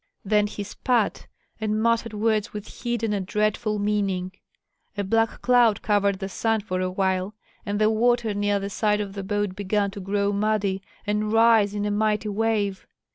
Then he spat and muttered words with hidden and dreadful meaning; a black cloud covered the sun for a while, and the water near the side of the boat began to grow muddy and rise in a mighty wave.